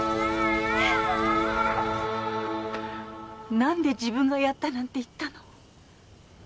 なんで自分がやったなんて言ったの？